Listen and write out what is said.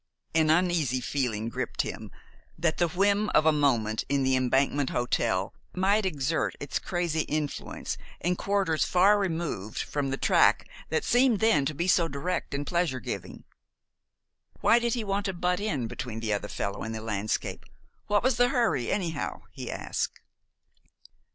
An uneasy feeling gripped him that the whim of a moment in the Embankment Hotel might exert its crazy influence in quarters far removed from the track that seemed then to be so direct and pleasure giving. "Why did he want to butt in between the other fellow and the landscape? What was the hurry, anyhow?" he asked.